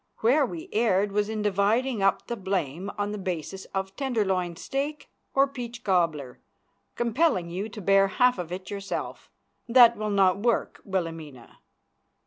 Where we erred was in dividing up the blame on the basis of tenderloin steak or peach cobbler, compelling you to bear half of it yourself. That will not work, Wilhelmina.